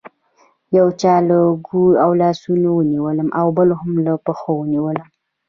یو چا له اوږو او لاسونو ونیولم او بل هم له پښو ونیولم.